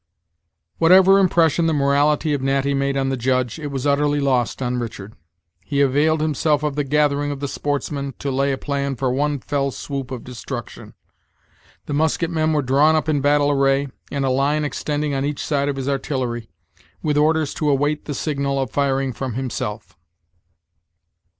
Whatever impression the morality of Natty made on the Judge, it was utterly lost on Richard. He availed himself of the gathering of the sportsmen, to lay a plan for one "fell swoop" of destruction. The musket men were drawn up in battle array, in a line extending on each side of his artillery, with orders to await the signal of firing from himself.